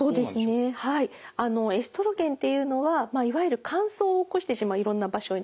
そうですねはいエストロゲンっていうのはまあいわゆる乾燥を起こしてしまういろんな場所にですね。